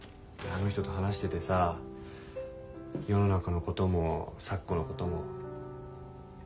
あの人と話しててさ世の中のことも咲子のことも。